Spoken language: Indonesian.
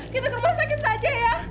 kita ke rumah sakit saja ya